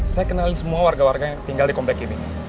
saya kenalin semua warga warga yang tinggal di komplek ini